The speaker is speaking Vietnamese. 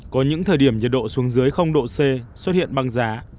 có những thời điểm nhiệt độ xuống dưới độ c xuất hiện băng giá